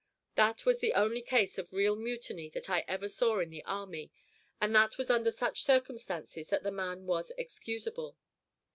That was the only case of real mutiny that I ever saw in the army, and that was under such circumstances that the man was excusable.